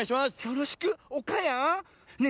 よろしくおかやん。